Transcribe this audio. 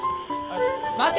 待て！